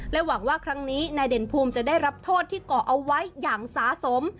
หวังว่าครั้งนี้นายเด่นภูมิจะได้รับโทษที่ก่อเอาไว้อย่างสาสม